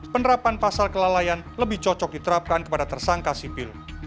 penerapan pasal kelalaian lebih cocok diterapkan kepada tersangka sipil